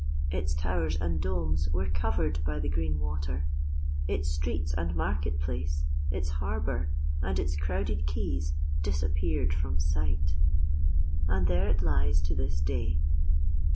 Its towers and domes were covered by the green water; its streets and market place, its harbour and its crowded quays, disappeared from sight. And there it lies to this day.